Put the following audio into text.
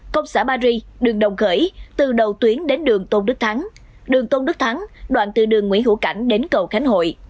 công xã ba ri đường đồng khởi từ đầu tuyến đến đường tôn đức thắng đường tôn đức thắng đoạn từ đường nguyễn hữu cảnh đến cầu khánh hội